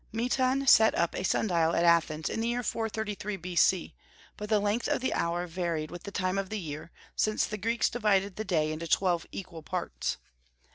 Meton set up a sun dial at Athens in the year 433 B.C., but the length of the hour varied with the time of the year, since the Greeks divided the day into twelve equal parts.